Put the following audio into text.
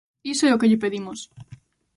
Iso é o que lle pedimos.